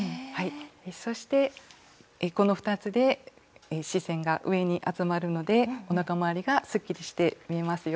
そしてこの２つで視線が上に集まるのでおなかまわりがすっきりして見えますよ。